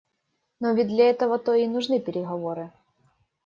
Но ведь для этого-то и нужны переговоры.